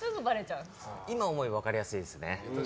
今思えば分かりやすいですね。